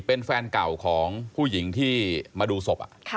เป็นแฟนเก่าของผู้หญิงที่มาดูศพ